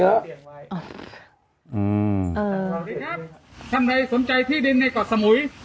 สวัสดีครับท่านใดสนใจที่ดินในเกาะสมุย